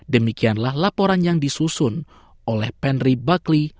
demikianlah laporan yang disusun oleh penry buckley